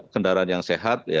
kendaraan yang sehat